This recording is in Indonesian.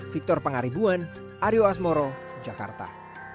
victor pangaribuan aryo asmoro jakarta